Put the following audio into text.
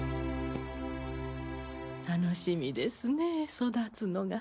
楽しみですね育つのが。